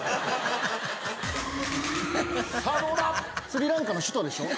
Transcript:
⁉スリランカの首都でしょ？